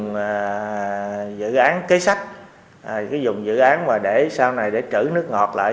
cái vùng dự án kế sách cái vùng dự án mà để sau này để trữ nước ngọt lại